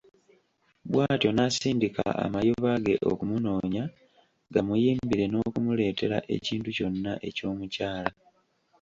Bw'atyo n'asindika amayuba ge okumunoonya, gamuyimbire n'okumuleetera ekintu kyonna eky'omukyala.